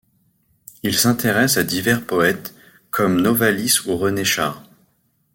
Il s'intéress à divers poètes, comme Novalis ou René Char.